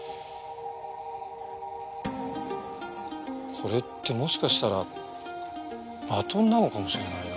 これってもしかしたらバトンなのかもしれないな。